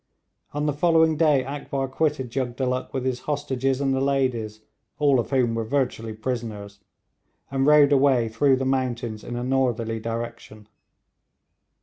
On the following day Akbar quitted Jugdulluk with his hostages and the ladies, all of whom were virtually prisoners, and rode away through the mountains in a northerly direction.